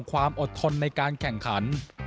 ความอดทนในการแข่งขัน